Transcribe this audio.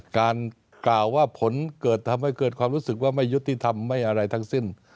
การกล่าวว่าผลเกิดทำให้เกิดความรู้สึกว่าไม่ยุติธรรมไม่อะไรทั้งสิ้น